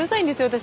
私。